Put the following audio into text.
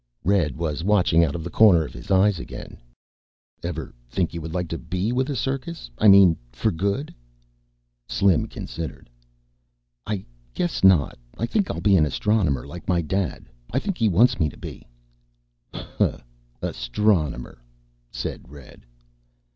Red was watching out of the corner of his eyes again. "Ever think you would like to be with a circus? I mean, for good?" Slim considered, "I guess not. I think I'll be an astronomer like my Dad. I think he wants me to be." "Huh! Astronomer!" said Red.